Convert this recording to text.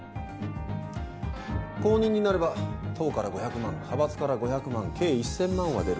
公認になれば党から５００万派閥から５００万計１，０００万は出る。